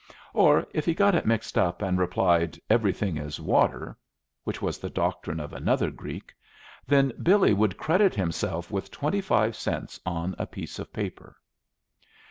Or, if he got it mixed up, and replied, "Everything is water," which was the doctrine of another Greek, then Billy would credit himself with twenty five cents on a piece of paper.